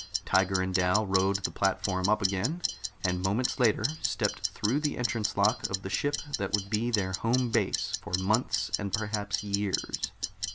Tiger and Dal rode the platform up again and moments later stepped through the entrance lock of the ship that would be their home base for months and perhaps years.